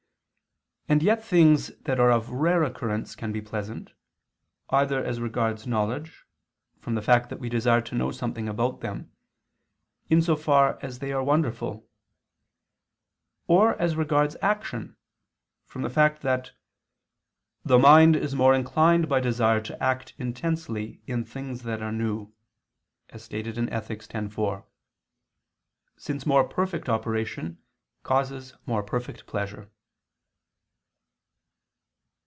And yet things that are of rare occurrence can be pleasant, either as regards knowledge, from the fact that we desire to know something about them, in so far as they are wonderful; or as regards action, from the fact that "the mind is more inclined by desire to act intensely in things that are new," as stated in Ethic. x, 4, since more perfect operation causes more perfect pleasure.